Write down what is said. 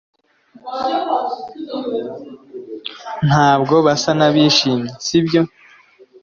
ntabwo basa n'abishimye, sibyo